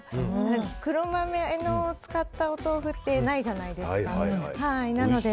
黒豆を使ったお豆腐ってないじゃないですか。